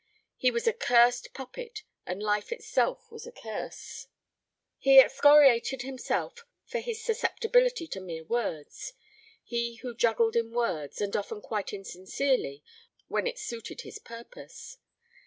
He was a cursed puppet and Life itself was a curse. He excoriated himself for his susceptibility to mere words; he who juggled in words, and often quite insincerely when it suited his purpose.